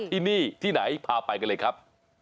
ที่นี่ที่ไหนพาไปกันเลยครับ